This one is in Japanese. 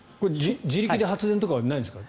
自力で発電とかはないんですか？